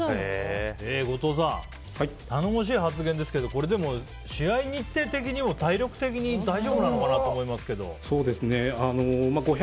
後藤さん、頼もしい発言ですがでも、試合日程的にも体力的に大丈夫なのかなと思いますけど。